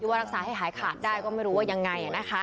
ว่ารักษาให้หายขาดได้ก็ไม่รู้ว่ายังไง